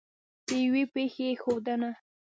د یوې پېښې ښودنه